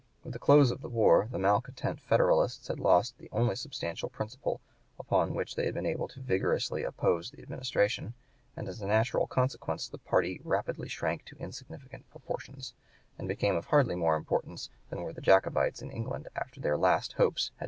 With the close of the war the malcontent Federalists had lost the only substantial principle upon which they had been able vigorously to oppose the administration, and as a natural consequence the party rapidly shrank to insignificant proportions, and became of hardly more importance than were the Jacobites in England after their last hopes had (p.